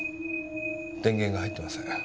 電源が入ってません。